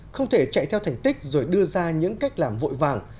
không thể chạy theo thành tích rồi đưa ra những cách làm vội vàng